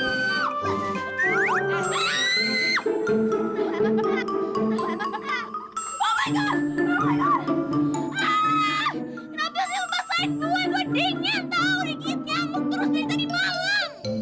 kenapa sih lupa sayang gue gue denger tau dikit nyamuk terus dari tadi malam